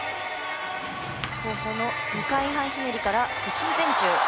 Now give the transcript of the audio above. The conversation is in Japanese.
後方の２回半ひねりから屈身前宙。